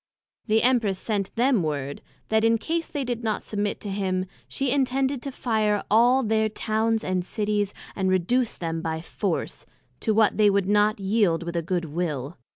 The Empress sent them word, That in case they did not submit to him, she intended to fire all their Towns and Cities, and reduce them by force, to what they would not yield with a good will.